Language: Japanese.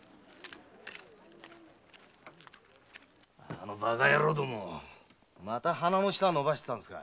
あのバカ野郎どもまた鼻の下をのばしてたんですか。